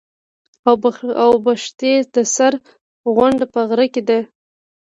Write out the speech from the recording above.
اوبښتي د سره غونډ په غره کي دي.